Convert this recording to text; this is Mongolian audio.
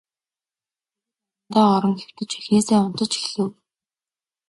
Бүгд орондоо орон хэвтэж эхнээсээ унтаж эхлэв.